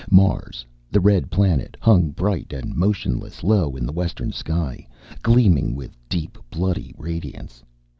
Mars, the red planet, hung bright and motionless, low in the western sky, gleaming with deep bloody radiance.